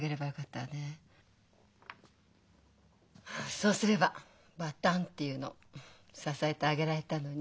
そうすれば「バタン」っていうの支えてあげられたのに。